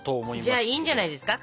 じゃあいいんじゃないですか？